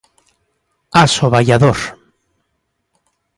Asoballador.